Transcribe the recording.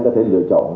có thể lựa chọn